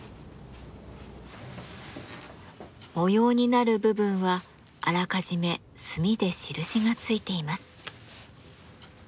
模様になる部分はあらかじめ墨で印がついています。